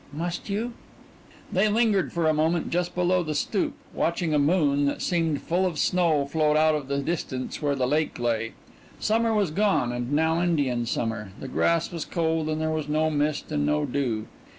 "Must you?" They lingered for a moment just below the stoop, watching a moon that seemed full of snow float out of the distance where the lake lay. Summer was gone and now Indian summer. The grass was cold and there was no mist and no dew.